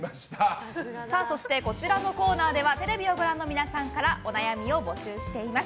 こちらのコーナーではテレビをご覧の皆さんからお悩みを募集しています。